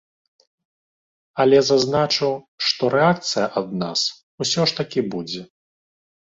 Але зазначу, што рэакцыя ад нас усё ж такі будзе.